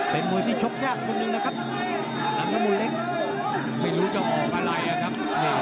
เป็นมวยที่ชกยากคนหนึ่งนะครับลำน้ำมูลเล็กไม่รู้จะออกอะไรนะครับ